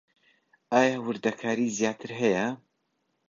ئایا وردەکاریی زیاتر هەیە؟